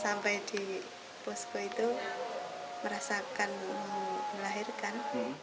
sampai di posko itu merasakan melahirkan